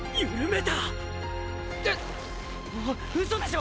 え⁉うそでしょ